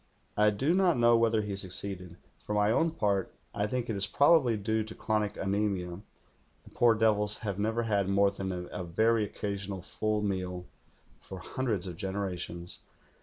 I do not know whether ht^ succeeded. For my own part, I think it is probably due to chronic anjiRmia — the poor THE GHOUL HI devils have never had more than a very occasional full meal for hundreds of generations.